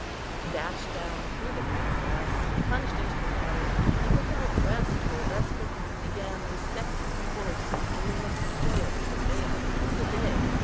He dashed down through the thick grass, plunged into the water, and without rest or respite began a second course of aimless toil and travail through the day.